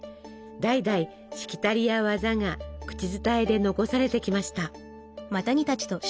代々しきたりや技が口伝えで残されてきました。